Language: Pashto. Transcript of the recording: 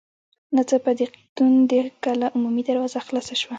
ناڅاپه د قيتول د کلا عمومي دروازه خلاصه شوه.